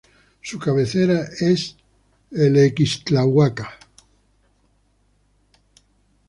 Su cabecera es Ixtlahuaca.